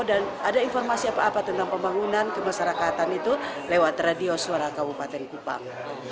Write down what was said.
dan ada informasi apa apa tentang pembangunan kemasyarakatan itu lewat radio suara kabupaten kupang